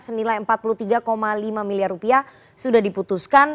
senilai empat puluh tiga lima miliar rupiah sudah diputuskan